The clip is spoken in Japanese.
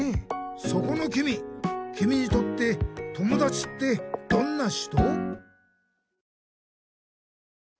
そこのきみきみにとって友だちってどんな人？